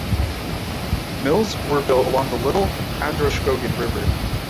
Mills were built along the Little Androscoggin River.